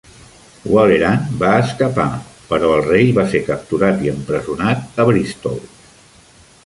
Waleran va escapar, però el rei va ser capturat i empresonat a Bristol.